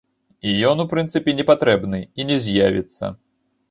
І ён, у прынцыпе, не патрэбны, і не з'явіцца.